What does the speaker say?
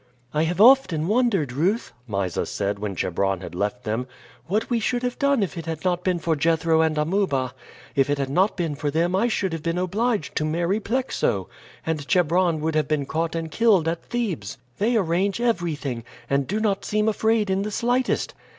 "I have often wondered, Ruth," Mysa said when Chebron had left them, "what we should have done if it had not been for Jethro and Amuba. If it had not been for them I should have been obliged to marry Plexo, and Chebron would have been caught and killed at Thebes. They arrange everything, and do not seem afraid in the slightest."